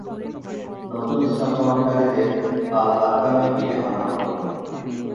নতুন ইসলাম গ্রহণকারীদের আল-আরকামের গৃহে আনা হতো।